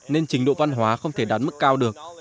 nên trình độ văn hóa không thể đạt mức cao được